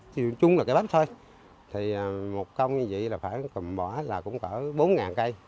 vì chung là cái bắp thôi thì một công như vậy là phải cầm bỏ là cũng tỡ bốn cây